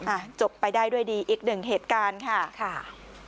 อ่ะจบไปได้ด้วยดีอีกหนึ่งเหตุการณ์ค่ะค่ะ